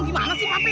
gimana sih papi